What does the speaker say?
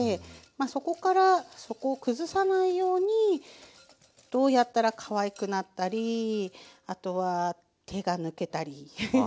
まあそこからそこを崩さないようにどうやったらかわいくなったりあとは手が抜けたりフフフ。